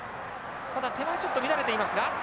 ただ手前ちょっと乱れていますが。